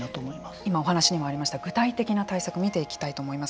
今お話にもありました具体的な対策を見ていきたいと思います。